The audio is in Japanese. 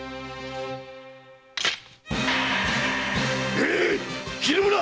ええいひるむな！